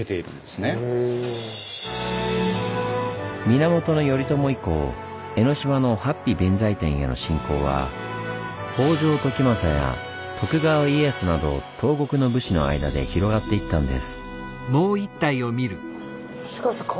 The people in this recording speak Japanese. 源頼朝以降江の島の八臂弁財天への信仰はなど東国の武士の間で広がっていったんです。